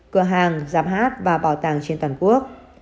cửa hàng giám hát và bảo tàng trên toàn quốc